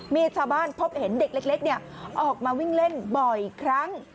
มีชาวบ้านพบเห็นเด็กเล็กออกมาวิ่งเล่นบ่อยครั้ง